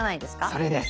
それです。